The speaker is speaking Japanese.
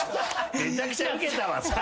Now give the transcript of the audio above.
「めちゃくちゃウケた」はさ。